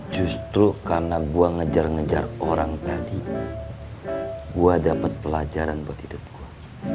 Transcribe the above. justru karena gue ngejar ngejar orang tadi gue dapat pelajaran buat hidup gue